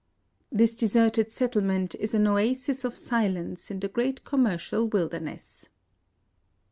This deserted settlement is an oasis of silence in the great commercial wilderness.